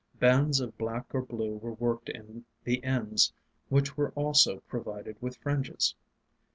Bands of black or blue were worked in the ends, which were also provided with fringes.